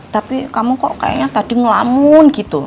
tapi kamu kok kayaknya tadi ngelamun gitu